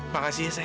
makasih ya pak